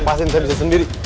ngapain saya bisa sendiri